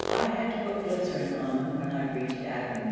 I had to put glycerine on them when I reached Aden.